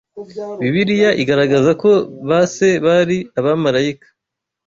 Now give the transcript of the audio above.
Bibiliya igaragaza ko ba se bari abamarayika